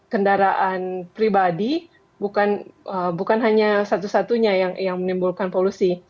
kendaraan pribadi bukan hanya satu satunya yang menimbulkan polusi